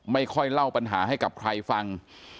ไม่ค่อยเล่าปัญหาให้กับใครฟัง